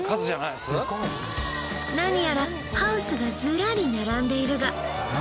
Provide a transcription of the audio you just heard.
何やらハウスがズラリ並んでいるが何？